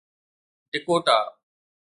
Dakota